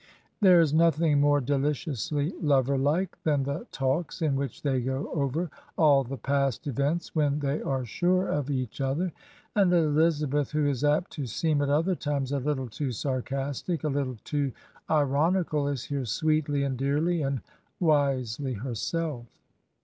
There is nothing more deUciously lover like than the talks in which they go over all the past events when they are sure of each other; and Elizabeth, who is apt to seem at other times a little too sarcaSEicTaT little loo iro nical, is here sweetly and dearly and wisdy herself.